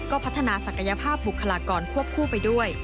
พัฒนาศักยภาพบุคลากรควบคู่ไปด้วย